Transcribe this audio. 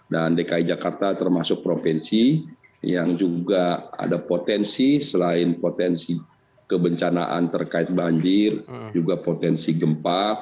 dan dki jakarta termasuk provinsi yang juga ada potensi selain potensi kebencanaan terkait banjir juga potensi gempa